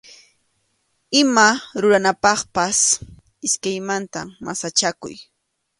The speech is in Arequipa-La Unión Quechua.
Ima ruranapaqpas iskaymanta masachakuy.